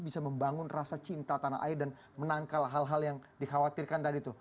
bisa membangun rasa cinta tanah air dan menangkal hal hal yang dikhawatirkan tadi tuh